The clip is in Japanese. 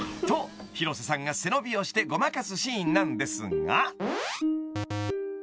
［と広瀬さんが背伸びをしてごまかすシーンなんですが］